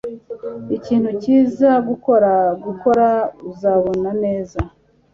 Ikintu cyiza gukora gukora uzabona neza